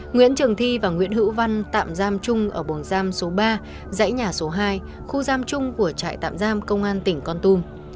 nguyễn trường thi và nguyễn hữu văn tạm giam chung ở buồng giam số ba dãy nhà số hai khu giam chung của trại tạm giam công an tỉnh con tum